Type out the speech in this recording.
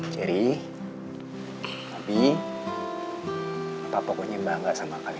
sampai kita muda gede